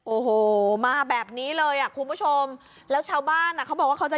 โอ้โหมาแบบนี้เลยอ่ะคุณผู้ชมแล้วชาวบ้านอ่ะเขาบอกว่าเขาจะ